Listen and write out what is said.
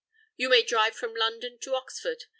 You may drive from London to Oxford.